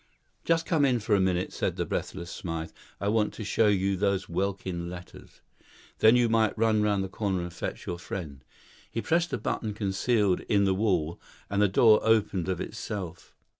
"Just come in for a minute," said the breathless Smythe. "I want to show you those Welkin letters. Then you might run round the corner and fetch your friend." He pressed a button concealed in the wall, and the door opened of itself.